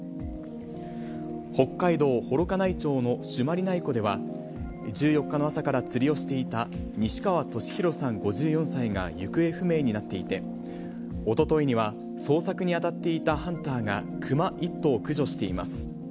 北海道幌加内町の朱鞠内湖では、１４日の朝から釣りをしていた西川俊宏さん５４歳が行方不明になっていて、おとといには捜索に当たっていたハンターが、熊１頭を駆除しています。